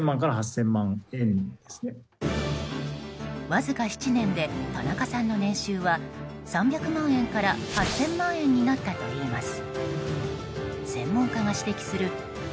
わずか７年で田中さんの年収は３００万円から８０００万円になったといいます。